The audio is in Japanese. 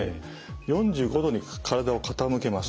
４５度に体を傾けます。